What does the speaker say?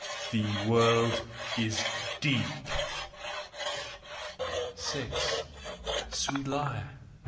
THE WORLD IS DEEP! 6. Sweet lyre!